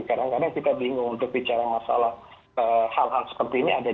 kadang kadang kita bingung untuk bicara masalah hal hal seperti ini ada